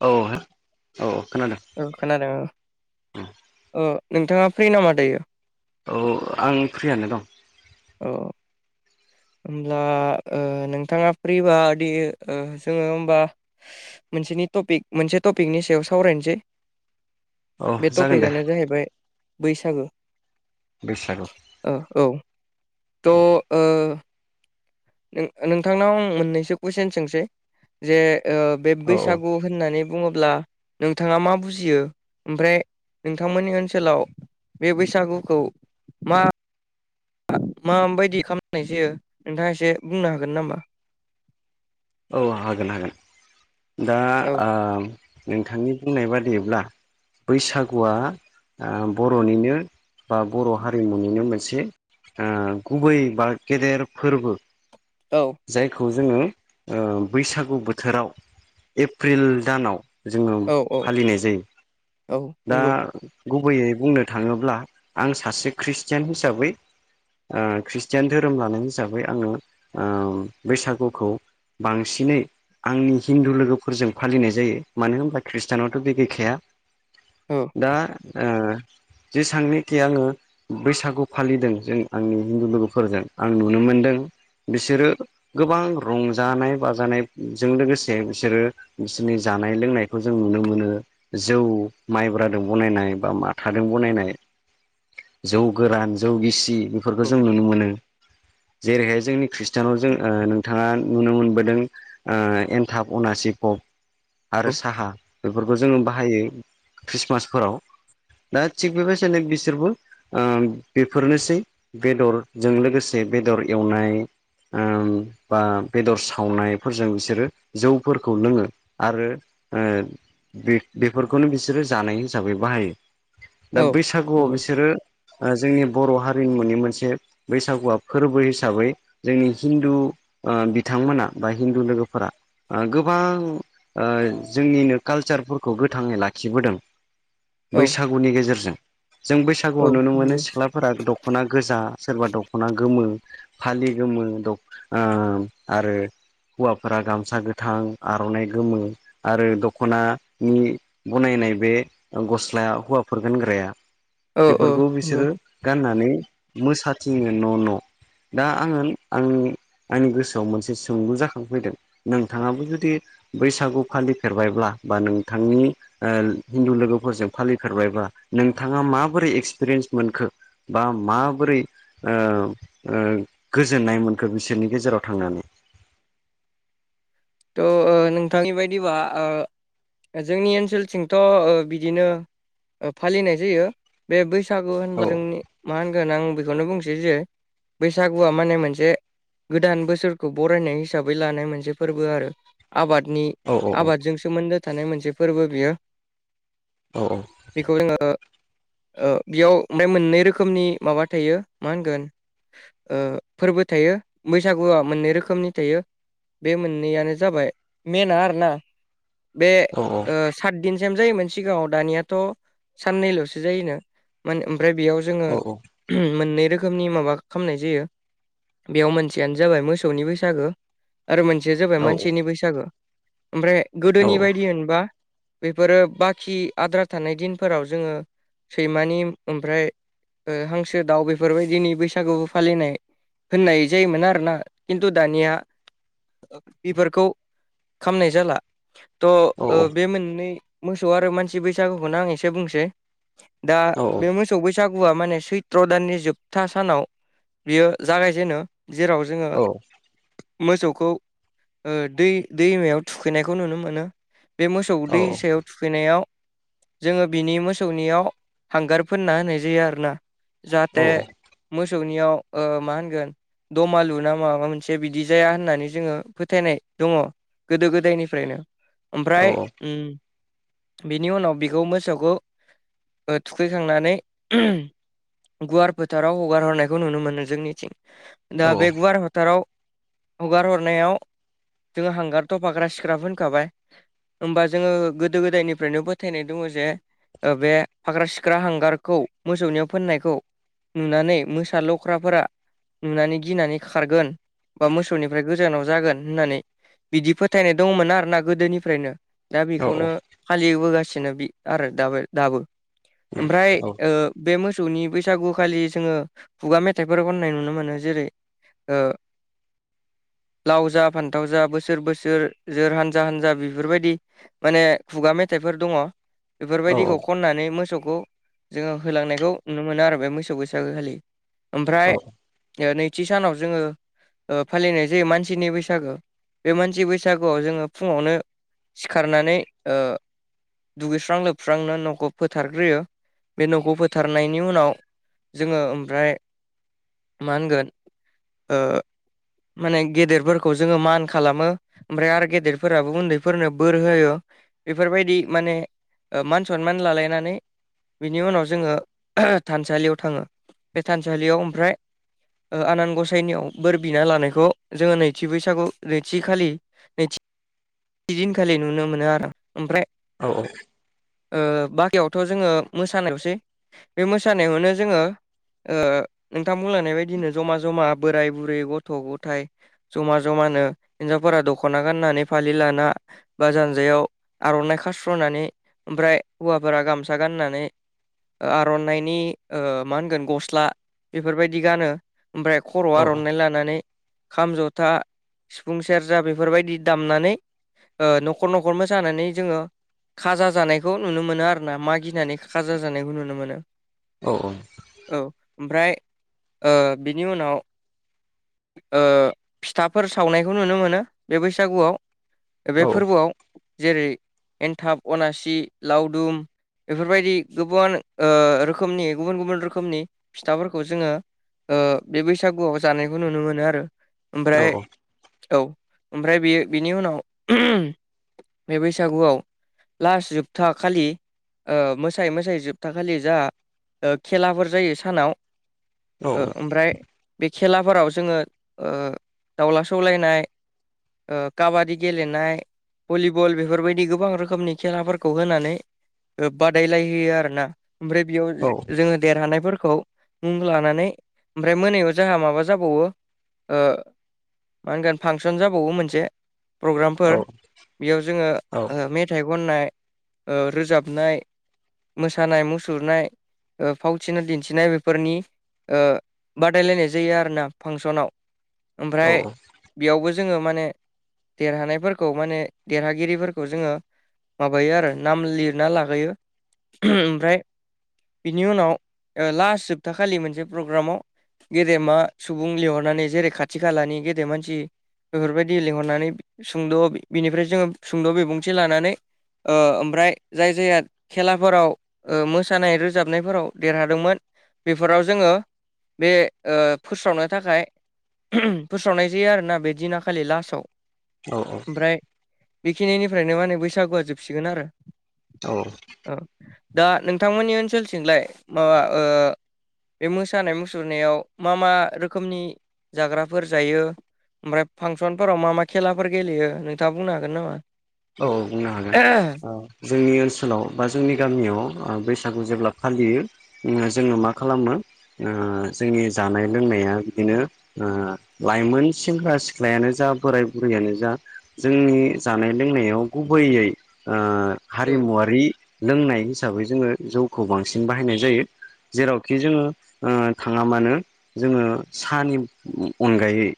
औ औ। खोनादों औ खोनादों औ ओ नोंथाङा फ्रि नामा दायो? औ आं फ्रियानो दं। औ [inaudible] होमब्ला ओ नोंथाङा फ्रिबादि जोङो होमबा मोनसे नि टपिक मोनसे टपिकनि सायाव सावरायनोसै। [inaudible] औ बे जागोन दे टपिकआनो जाहैबाय बैसागु। बैसागु ओ औ। थ'‌ ओ नों-नोंथांनाव मोननैसो कुइशन सोंसै जे ओ बे औ औ बैसागु होननानै बुङोब्ला नोंथाङा मा बुजियो ओमफ्राय नोंथांमोननि ओनसोलाव बे बैसागुखौ मा माबायदि खामनाय जायो नोंथाङा एसे बुंनो हागोन नामा? औ हागोन हागोन। दा औ आ नोंथांनि बुंनाय बादिब्ला बैसागुआ आह बर'निनो बा बर' हारिमुनिनो मोनसे ओ गुबै बा गेदेर फोरबो। औ जायखौ जोङो ओ बैसागु बोथोराव एप्रिल दानाव जोङो औ औ फालिनाय जायो। औ दा नंगौ गुबैयै बुंनो थाङोब्ला आं सासे खृष्टियान हिसाबै ओ खृष्टियान धोरोम लानाय हिसाबै आङो ओ बैसागुखौ बांसिनै आंनि हिन्दु लोगोफोरजों फालिनाय जायो। मानो होनब्ला खृष्टानआवथ' बे गैखाया। औ दा ओ जेसांनोखि आङो बैसागु फालिदों जों आंनि हिन्दु लोगोफोरजों आं नुनो मोनदों बिसोरो गोबां रं जानाय बाजानायजों लोगोसे बिसोरो बिसोरनि जानाय लोंनायखौ जों नुनो मोनो जौ माइब्रादों बनायनाय बा माथादों बनायनाय जौ गोरान जौ गिसि बेफोरखौ औ जों नुनो मोनो। जेरैहाय जोंनि खृष्टानाव जों ओ नोंथाङा नुनो मोनबोदों ओ एन्थाब अनासि पब आरो औ साहा बेफोरखौ जोङो बाहायो खृष्टमासफोराव दा थिग बेबायदिनो बिसोरबो ओ बेफोरनोसै बेदरजों लोगोसे बेदर एवनाय ओ बा बेदर सावनायफोरजों बिसोरो जौफोरखौ लोङो आरो ओ बे बेफोरखौनो बिसोरो जानाय हिसाबै बाहायो। दा औ बैसागुआव नंगौ बिसोरो ओ जोंनि बर' हारिनिमुनि मोनसे बैसागुआ फोरबो हिसाबै जोंनि हिन्दु ओ बि थांमोना बा हिन्दु लोगोफोरा ओ गोबां ओ जोंनिनो कालसारफोरखौ गो थाङै लाखिबोदों। औ बैसागुनि गेजेरजों जों औ बैसागुआव नुनो मोनो नंगौ सिख्लाफोरा दख'ना गोजा सोरबा दख'ना गोमो फालि गोमो द ओ आरो हौवाफोरा गामसा गोथां आर'नाइ गोमो आरो दख'नानि बनाय नाय बे गस्लाया हौवाफोर गानग्राया औ औ बेफोरखौ नंगौ बिसोरो गान्ना नै मोसाथिंयो न' न'। दा आङो आं आंनि गोसो आव मोनसे सोंलु जाखांफैदों नोंथाङाबो जुदि बैसागु फालिफेरबायब्ला बा नोंथां नि ओ हिन्दु लोगोफोरजों फालिफेरबायबा नोंथाङा माबोरै एक्सपिरियेन्स मोनखो? बा माबोरै ओ ओ गोजोननाय मोनखो बिसोरनि गेजेराव थांनानै। थ' ओ नोंथांनि बायदिबा ओ जोंनि ओनसोलथिंथ' ओ बिदिनो ओ फालिनाय जायो बे बै सागु औ होनब्ला जोंनि मा होनगोन आं बेखौनो बुंसै जे बैसागुआ माने मोनसे गोदान बोसोरखौ बरायनाय हिसाबै लानाय मोनसे फोर बो आरो आबादनि औ औ आबादजों सोमोन्दो थानाय मोनसे फोरबो बियो। औ बेखौ जोङो ओ बेयाव ओमफाय मोननै रोखोमनि माबा थायो मा होनगोन ओ फोरबो थायो। बैसागुआ मोननै रोखोमनि थायो। बे मोननैयानो जाबाय मेनआ आरोना। बे औ ओ सातदिनसम जायोमोन सिगाङाव दानियाथ' साननैल'सो जायोनो मान ओमफ्राय बेयाव जोङो औ [unintelligible] मोनै रोख खोमनि माबा खालामनाय जायो बेयाव मोनसेयानो जाबाय मोसौनि बैसागो। आरो मोनसेया जाबाय मानसिनि बैसागो ओमफ्राय औ गोदोनि बायदि होनबा बेफोरो बाखि आद्रा थानाय दिनफोराव जोङो सैमानि ओमफ्राय ओ हांसो दाउ बेफोरबायदिनि बैसागुबो फालिनाय होननाय जायोमोन आरोना खिन्थु दानिया बेफोरखौ खामनाय जाला। थ' औ ओ बे मोननै मोसौ आरो मानसि बैसागुखौनो आं इसे बुंसै। दा औ बे मोसौ बैसागुआ माने सैथ्र' दाननि जोबथा सानाव। बियो जागायजेनो जेराव जोङो औ मोसौखौ ओ दै दैमायाव थुखैनायखौ नुनो मोनो। बे मोसौदै सायाव थुखैनायाव जोङो बिनि मोस सौनियाव हांगार फोनना होनाय जायो आरोना जाहाथे मोसौनियाव ओ मा होनगोन। दमालु ना माबा मोनसे बिदि जाया होननानै जोङो फोथायनाय दङ। गोदो गोदायनिफ्रायनो ओमफ्राय ओम बिनि उनाव बेखौ मोसौखौ। ओ थुखैखांनानै [unintelligible] गुवार फोथाराव हगार हरनायखौ नुनो मोनो जोंनिथिं दा बे गुवार फोथाराव हगार हरनायाव जोङो हांगार थफाग्रा सिख्रा फोनखाबाय होमबा जोङो गोदो गोदायनिफ्रायनो फोथायनाय दङ जे ओ बे फाग्रा सिख्रा हांगारखौ मोसौनियाव फोननायखौ नुनानै मोसा लख्राफोरा नुनानै गिनानै खारगोन बा मोसौनिफ्राय गोजानाव जागोन होननानै। बिदि फोथायनाय दंमोन आरोना गोदोनिफ्रायनो। दा बेखौनो फालिबोगासिनो आरो दाबो दाबो। ओमफ्राय औ ओ बे मोसौनि बै सागु खालि जोङो खुगा मेथाइफोर खननाय नुनो मोनो जेरै ओ [inaudible] लाव जा, फान्थाव जा, बोसोर बोसोर जोर, हानजा हानजा, बेफोरबायदि माने खुगा मेथाइ फोर दङ औ औ बेफोरबायदिखौ खननानै मोसौखौ जोङो होलांनायखौ नुनो मोनो आरो बे मोसौ बैसागोखालि। औ ओमफ्राय नैथि सानाव जोङो ओ फालिनाय जायो मानसिनि बैसागो बे मानसि बैसागोआव जोङो फुङावनो सिखारनानै ओ दुगैस्रां लोबस्रांनो न'ख ख फोथारग्रोयो बे न'खौ फोथारनायनि उनाव जोङो ओमफ्राय मा होनगोन ओ माने गेदेरफोरखौ जोङो मान खालामो ओमफ्राय आरो गेदेरफोराबो उन्दैफोरनो बोर होयो। बेफोरबायदि माने ओ मान-सनमान लालायनानै बिनि उनाव जोङो [unintelligible] थानसालियाव थाङो बे थानसालियाव ओमफ्राय ओ आनान गसाइनियाव बोर बिना लानायखौ जोङो नैथि बैसागु नैथि खालि नैथि दिनखालि नुनो मोनो आरो ओमफ्राय औ औ। ओ बाखियावथ' जोङो मोसानायावसै बे मोसानायावनो जोङो ओ नोंथां बुंलायनाय बायदिनो जमा जमा बोराय बुरै, गथ' गथाय जमा जमा होनो हिनजावफोरा दख'ना गाननानै फालि लाना बा जानजायाव आर'नाइ खास्र'नानै ओमफ्राय हौवाफोरा गामसा गाननानै आर'नाइनि ओ मा होनगोन गस्ला बेफोरबायदि गानो। ओमफ्राय खर' औ औ आर'नाइ लानानै खाम, जथा, सिफुं, सेरजा, बेफोरबायदि दामनानै ओ न'खर न'खर मोसानानै जोङो खाजा जानाय खौ नुनो मोनो आरो ना मागिनानै खाजा जानायखौ नुनो मोनो। औ ओमफ्राय ओ बिनि उनाव ओ फिथाफोर सावनायखौ नुनो मोनो बे बैसागुआव। बे फोरबोआव जेरै एन्थाब, अनासि, लावदुम एफोरबायदि गुबान ओ रोखोमनि गुबुन गुबुन रोखोमनि फिथाफोरखौ जोङो ओ बे बैसागुआव जानायखौ नुनो मोनो आरो। ओमफ्राय औ। ओमफ्राय बेयो बिनि उनाव बे बैसागुआव लास जोब था खालि ओ मोसायै मोसायै जोबथाखालि जा खेलाफोर जायो सानाव ओ ओमफ्राय बे खेलाफोराव जोङो ओ दाउला सौलायनाय ओ काबादि गेलेनाय, भलिबल बेफोरबायदि गोबां रोखोमनि खेलाफोर खौ होनानै ओ बादाय लायहोयो आरोना ओमफ्राय बेयाव जो-जोङो देरहानाय फोरखौ खौ मुं लानानै ओमफ्राय मोनायाव जोंहा माबा जाबावो ओ मा होनगोन फांसन जाबावो मोनसे। प्रग्रामफोर बेयाव जोङो ओ मेथाइ खननाय ओ रोजाबनाय मोसानाय, मुसुरनाय, फावथिना दिन्थिनाय बेफोरनि ओ बादायलायनाय जायो आरोना फांसनाव। औ ओमफ्राय बेयावबो जोङो माने देरहानाय फोरखौ माने देरहागिरि फोरखौ जोङो मा बायो आरो नाम लिरना लागायो। ओमफ्राय बिनि उनाव ओ लास्ट जोबथा खालि मोनसे प्रग्रामाव गेदेमा सुबुं लिंहरनानै जेरै खाथि खालानि गेदेर मानसि बेफोरबायदि लिंहरनानै सुंद' बिनिफ्राय जोङो सुंद' बिबुंथि लानानै ओ ओमफ्राय जाय-जायहा खेलाफोराव मोसानाय रोजाबनायफोराव देरहादोंमोन बेफोराव जोङो बे ओ फोस्रावनो थाखाय फोस्रावनाय जायो आरोना बे दिना खालि लासाव। औ औ। बेखिनिफ्रायनो माने बैसागुआ जोबसिगोन आरो। औ। औ दा नोंथांमोननि ओनसोलथिंलाय माबा ओ बे मोसानाय मुसुरनायाव मा मा रोखोमनि जाग्राफोर जायो? ओमफ्राय फांसनफोराव मा मा खेलाफोर गेलेयो नोंथाङा बुंनो हागोन नामा? औ बुंनो हागोन। ओ जोंनि ओनसोलाव बा जोंनि गामियाव ओ बै सागु जेब्ला फालियो ओ जोङो मा खालामो ओ जोंनि जानाय लोंनाया बिदिनो ओ लाइमोन सेंग्रा सिख्लायानो जा बोराय बुरैयानो जा जोंनि जानाय लोंनायाव गुबैयै ओ औ हारिमुवारि लोंनाय हिसाबै जोङो जौखौ बांसिन बाहायनाय जायो। जेरावखि जोङो ओ थाङा मानो जोङो सानि अ-अनगायै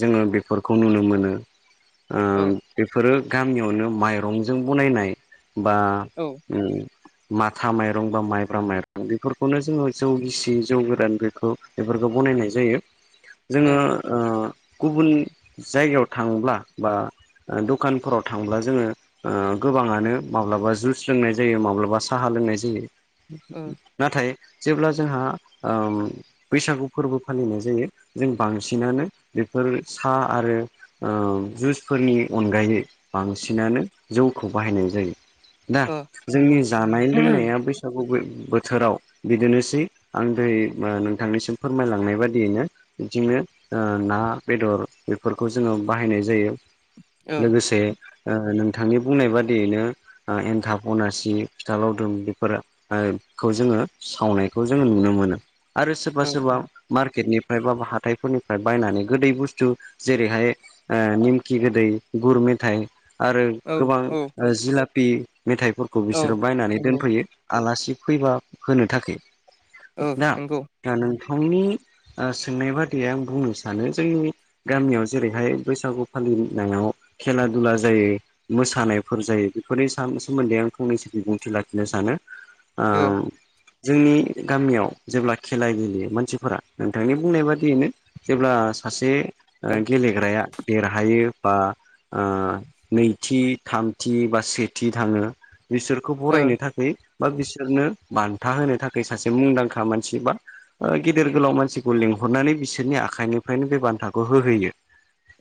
जोङो बेफोरखौ नुनो मोनो। ओ औ बेफोरो गामियावनो माइरंजों बनायनाय बा औ ओ माथा माइरं बा माइब्रा माइरं बेफोरखौनो जोङो जौ गिसि जौ गोरान बेखौ बेफोरखौ बनायनाय नाय जायो। जोङो ओ गुबुन जायगायाव थांब्ला बा दखान फोराव थांब्ला जोङो ओ गोबाङानो माब्लाबा जुस लोंनाय जायो माब्लाबा साहा लोंनाय जायो। ओ नाथाय जेब्ला जोंहा ओ बैसागु फोरबो फालिनाय जायो जों बांसिनानो बेफोर फोर सा आरो ओ जुसफोरनि अनगायै बांसिनानो जौखौ बाहायनाय जायो दा नंगौ जोंनि जानाय लोंनाया बैसागु बोथोराव बिदिनोसै आं दोहै ओ नोंथांनिसिम फोरमायलांनाय बादियैनो बिथिनो ओ ना बेदर बेफोरखौ जोङो बाहायनाय जायो औ लोगोसे ओ नोंथांनि बुंनाय बादियैनो एन्थाब पनासि फिथा लावदुम बेफोर खौ जोङो सावनायखौ जोङो नुनो मोनो आरो सोरबा सोरबा मार्केटनि फ्रायबा हाथाइफोरनिफ्राय बायनानै गोदै बुस्थु जेरैहाय ओ निमखि गोदै गुर मेथाइ आरो औ गोबां जिलापि मेथाइफोरखौ औ बिसोरो बायनानै नंगौ दोनफैयो आलासि फैबा होनो थाखाय ओ दा नंगौ [unintelligible] ओ सोंनाय बादियै आं बुंनो सानो जोंनि गामियाव जेरैहाय बैसागु फालिनायाव खेला दुला जायो मोसानायफोर जायो बेफोरनि सोमोन्दै आं फंनैसो बिबुंथि लाखिनो सानो ओम जोंनि गामियाव जेब्ला खेला गेलेयो मानसिफोरा नोंथांनि बुंनाय बादियैनो जेब्ला सासे औ गेलेग्राया देरहायो बा ओ नैथि थामथि बा सेथि थाङो बिसोरखौ बरायनो थाखाय बा बिसोरनो बान्था होनो थाखाय सासे मुंदांखा मानसि बा गेदिर गोलाव मानसिखौ लिंहर हरनानै बिसोरनि आखाइनिफ्रायनो बे बान्थाखौ होहोयो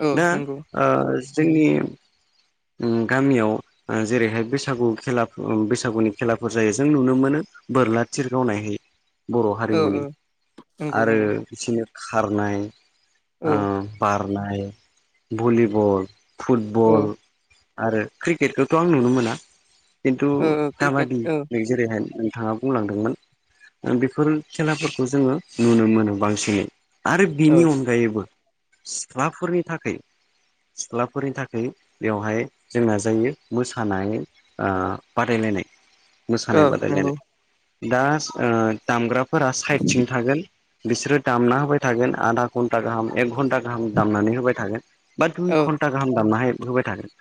औ ना नंगौ ओ जोंनि ओं गामियाव ओ जेरैहाय बैसागु खेला बैसागुनि खेलाफोर जायो जों नुनो मोनो बोरला थिर गावनाय बर' औ हारिमुनि औ नंगौ आरो नंगौ बिसोरनो खारनाय औ ओ बा खारनाय भलिबल ओ फुटबल आरो क्रिकेटखौथ' आं नुनो मोना किन्तु ओ क्रिकेट काबादि औ जेरैहाय थाङा बुंलांदोंमोन बेफोर खेलाफोरखौ जोङो नुनो मोनो बांसिनै आरो बिनि औ अनगायैबो सिख्लाफोरनि थाखाय सिख्ला फोरनि थाखाय बेवहाय जोंना जायो मोसानाय ओ बादायलायनाय औ मोसानाय नंगौ बादायलायनाय दा दामग्राफोरा साइड थिं थागोन बिसोरो दामना होबाय थागोन आधा घन्टा गाहाम एक घन्टा गाहाम दामनानै होबाय थागोन बा दुइ औ घन्टा गाहाम दामनानै होबाय थागोन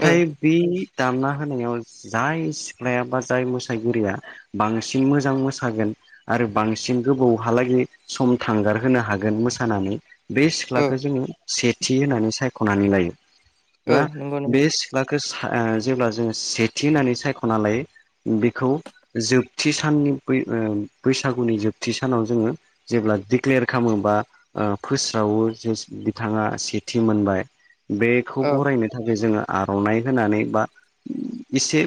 औ बे दामना होनायाव जाय सिख्लाया बा जाय मोसागिरिया बांसिन मोजां मोसागोन आरो बांसिन गोबावहालागै सम थांगार होनो हागोन मोसानानै बे औ सिख्लाखौ जोङो सेथि होनानै सायख'नानै लायो। औ बा नंगौ नंगौ बे सिख्लाखौ जेब्ला जोङो सेथि होननानै सायख'ना लायो बेखौ जोबथि साननि बैसागुनि जोबथि सानाव जोङो जेब्ला दिक्लेयार खालामोबा फोस्रावो जे बिथाङा सेथि मोनबाय बेखौ औ बरायनो थाखाय जोङो आर'नाइ होनानै बा एसे